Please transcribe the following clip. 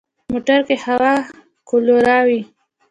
موټر کې هوا کولر وي.